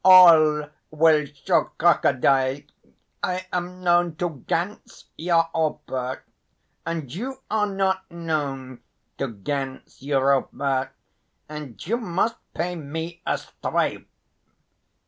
All will show crocodile! I am known to ganz Europa, and you are not known to ganz Europa, and you must pay me a strafe!"